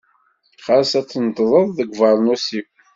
Xas ad tneṭḍeḍ deg ubeṛnus-iw.